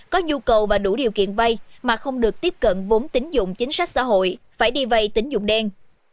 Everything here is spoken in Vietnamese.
có nhu cầu và đủ điều kiện vay mà không được tiếp cận vốn tính dụng chính sách xã hội phải đi vay tính dụng đen